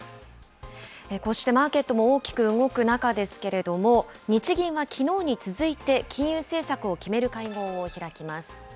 こうしてマーケットも大きく動く中ですけれども、日銀はきのうに続いて、金融政策を決める会合を開きます。